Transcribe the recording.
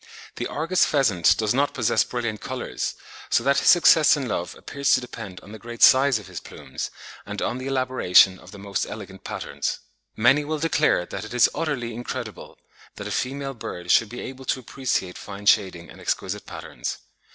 The Argus pheasant does not possess brilliant colours, so that his success in love appears to depend on the great size of his plumes, and on the elaboration of the most elegant patterns. Many will declare that it is utterly incredible that a female bird should be able to appreciate fine shading and exquisite patterns.